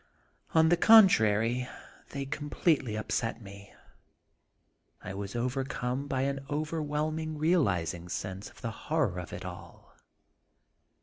On the contrary, they completely upset me. I was overcome by an overwhelming realizing sense of the horror of it all.